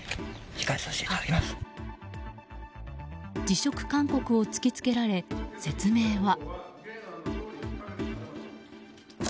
辞職勧告を突き付けられ説明は。